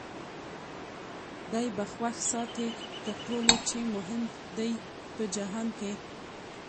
دی به خوښ ساتې تر ټولو چي مهم دی په جهان کي